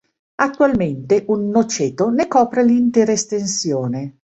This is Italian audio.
Attualmente un noceto ne copre l'intera estensione.